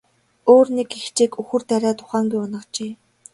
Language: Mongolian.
Өөр нэг эгчийг үхэр дайраад ухаангүй унагажээ.